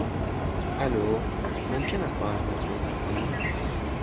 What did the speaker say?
الو، ممکن است با احمد صحبت کنم؟